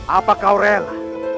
apakah kau rela